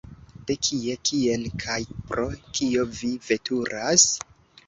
De kie, kien kaj pro kio vi veturas?